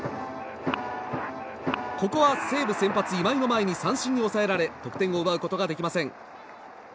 ここは西武先発、今井の前に三振に抑えられ得点を奪うことができません。